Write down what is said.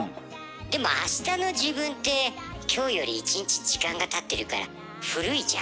でも明日の自分って今日より１日時間がたってるから古いじゃん？